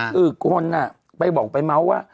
คือคนไปบอกไปเมาส์ว่า